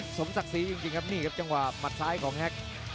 สมศักดิ์ศรีจริงครับนี่ครับจังหวะหมัดซ้ายของแฮ็ก